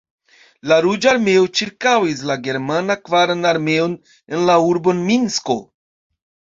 La Ruĝa Armeo ĉirkaŭis la Germana Kvaran Armeon en la urbon Minsko.